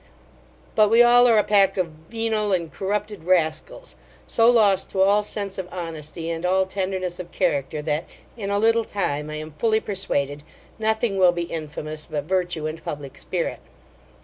But we all are a pack of venal and corrupted rascals; so lost to all sense of honesty, and all tenderness of character, that, in a little time, I am fully persuaded, nothing will be infamous but virtue and public spirit.